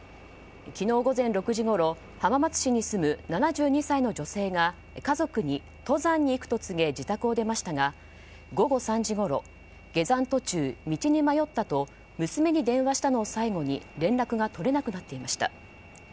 昨日午前６時ごろ浜松市に住む７２歳の女性が家族に登山に行くと告げ自宅を出ましたが午後３時ごろ、下山途中道に迷ったと娘に電話をしたのを最後に連絡が取れなくなっていました。